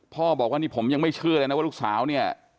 พ่อบอกว่านี่ผมยังไม่เชื่อเลยนะว่าลูกสาวเนี่ย